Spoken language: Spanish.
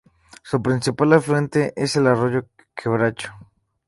Su principal afluente es el arroyo Quebracho.